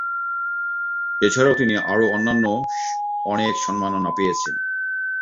এছাড়াও তিনি আরো অন্যান্য অনেক সম্মাননা পেয়েছেন।